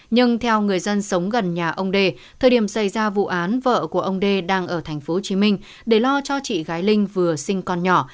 nhưng theo người dân sống gần nhà ông đề thời điểm xảy ra vụ án vợ của ông đê đang ở tp hcm để lo cho chị gái linh vừa sinh con nhỏ